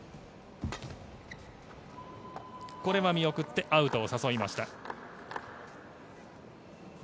これは見送ってアウトを誘いました。